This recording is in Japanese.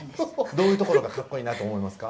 「どういうところが格好いいなと思いますか？」